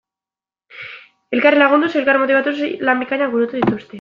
Elkarri lagunduz, elkar motibatuz, lan bikainak burutu dituzte.